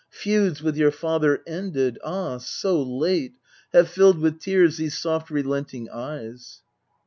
Feuds with your father ended ah, so late ! Have filled with tears these soft relenting eyes.